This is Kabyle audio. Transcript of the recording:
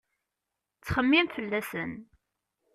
Ttxemmim fell-asen.